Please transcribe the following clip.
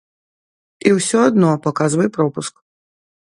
І ўсё адно паказвай пропуск.